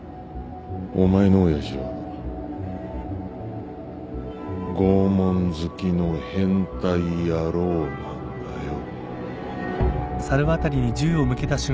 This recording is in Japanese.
お前の親父は拷問好きの変態野郎なんだよ。